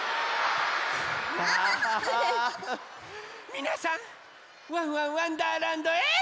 みなさん「ワンワンわんだーらんど」へ。